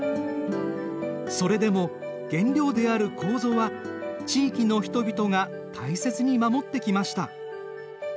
それでも原料であるコウゾは地域の人々が大切に守ってきました。